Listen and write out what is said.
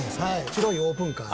白いオープンカー。